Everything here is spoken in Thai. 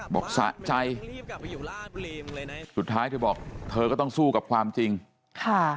สะใจสุดท้ายเธอบอกเธอก็ต้องสู้กับความจริงค่ะ